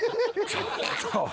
ちょっと！